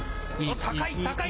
高い高い。